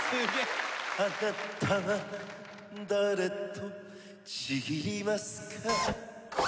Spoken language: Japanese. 「あなたは誰と契りますか」